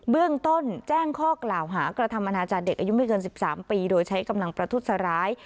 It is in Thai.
เบื้องต้นแจ้งข้อกล่าวหากระทำอนาจารย์เด็กอายุไม่เกิน๑๓ปีโดยใช้กำลังประทุษร้าย